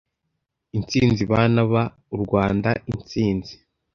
insinzi bana ba Urwanda insinzi